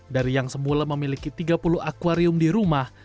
dari yang semula memiliki tiga puluh akwarium di rumah